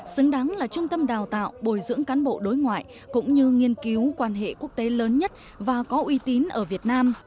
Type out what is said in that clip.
xứng đáng là trung tâm đào tạo bồi dưỡng cán bộ đối ngoại cũng như nghiên cứu quan hệ quốc tế lớn nhất và có uy tín ở việt nam